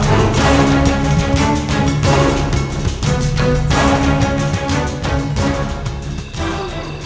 aku datang menolongmu